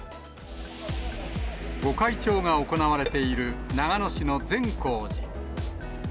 御開帳が行われている長野市の善光寺。